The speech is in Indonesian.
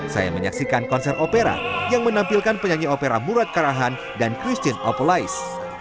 saya menyaksikan konser opera yang menampilkan penyanyi opera burat karahan dan christine opolaice